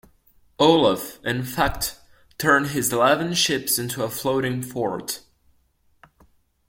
Olaf, in fact, turned his eleven ships into a floating fort.